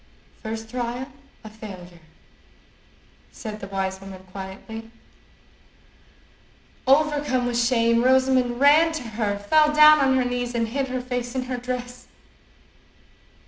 "First trial a failure," said the wise woman quietly. Overcome with shame, Rosamond ran to her, fell down on her knees, and hid her face in her dress.